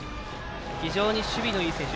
非常に守備のいい選手。